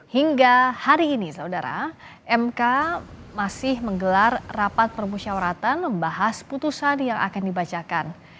hingga hari ini saudara mk masih menggelar rapat permusyawaratan membahas putusan yang akan dibacakan